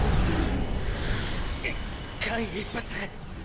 っ⁉間一髪。